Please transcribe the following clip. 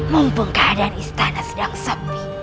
mumpung keadaan istana sedang sepi